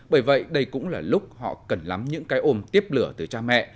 bởi vậy đây cũng là lúc họ cần lắm những cái ôm tiếp lửa từ cha mẹ